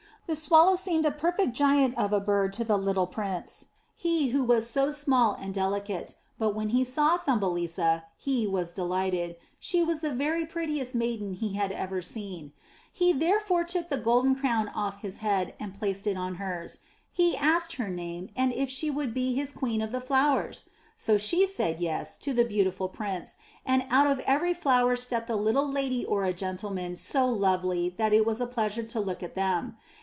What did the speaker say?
The Swallow seemed a perfect giant of a bird to the little Prince, he who was so small and delicate, but when he saw Thumbelisa he was delighted; she was the very prettiest maiden he had ever seen. He therefore took the golden crown off his own head and placed it on hers. He asked her name, and if she would be his queen of the flowers ! So she said yes to the beautiful Prince, and out of every flower stepped a little lady or a gentleman so lovely that it was a pleasure to look at them.